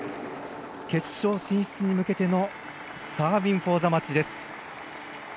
決勝進出に向けてのサービングフォーザマッチです。